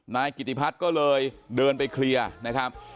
นายกิติพัฒน์ก็เลยเดินไปเคลียร์นะครับ